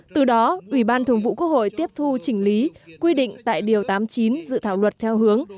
từ đó ủy ban thường vụ quốc hội tiếp thu chỉnh lý quy định tại điều tám mươi chín dự thảo luật theo hướng